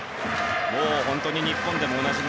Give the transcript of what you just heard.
もう本当に日本でもおなじみ。